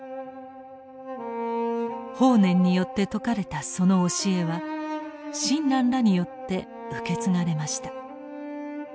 法然によって説かれたその教えは親鸞らによって受け継がれました。